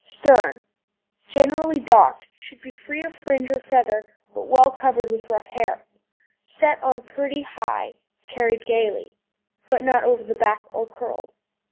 STERN Generally docked; should be free of fringe or feather, but well covered with rough hair, set on pretty high, carried gaily, but not over the back or curled.